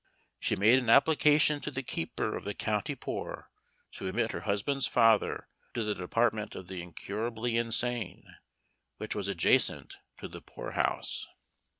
She made an application to the keeper of the County Poor to admit her husband's father to the department of the incurably insane, which was adjacent to the Poor House.